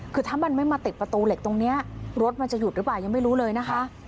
คือถ้ามันไม่มาติดประตูเหล็กตรงนี้รถมันจะหยุดหรือเปล่ายังไม่รู้เลยนะคะ